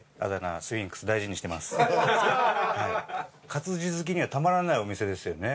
活字好きにはたまらないお店ですよね。